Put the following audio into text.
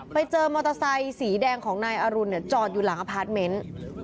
ไปเจอมอเตอร์ไซค์สีแดงของนายอรุณจอดอยู่หลังอพาร์ทเมนต์